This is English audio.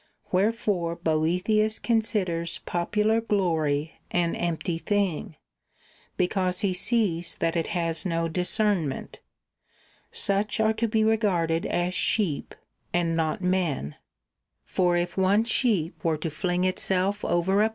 Where fore Boethius considers popular glory an empty thing, because he sees that it has no discernment. Such are to be regarded as sheep and not men ; for if one sheep were to fling itself over a D so THE CONVIVIO Ch.